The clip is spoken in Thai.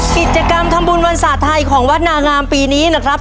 กิจกรรมทำบุญวันศาสตร์ไทยของวัดนางามปีนี้นะครับ